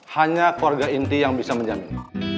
hanya keluarga inti yang bisa menjamin